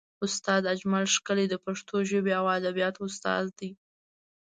استاد اجمل ښکلی د پښتو ژبې او ادبیاتو استاد دی.